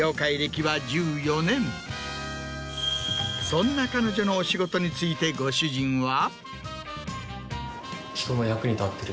そんな彼女のお仕事についてご主人は？